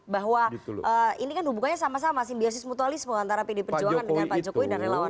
bahwa ini kan hubungannya sama sama simbiosis mutualisme antara pd perjuangan dengan pak jokowi dan relawan